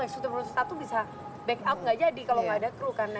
eksekutif produser satu bisa back up nggak jadi kalau nggak ada crew